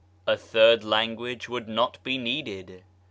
A third language would not be needed.